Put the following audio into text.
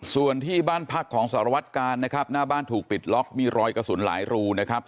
ส่วนที่บ้านพักของสารวัตกาลนะครับหน้าบ้านถูกปิดล็อกมีรอยกระสุนหลายรูนะครับ